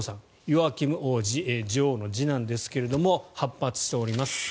ヨアキム王子女王の次男ですが反発しております。